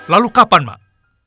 lalu kapan mak